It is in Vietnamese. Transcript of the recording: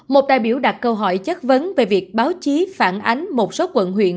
một đại biểu đặt câu hỏi chất vấn về việc báo chí phản ánh một số quận huyện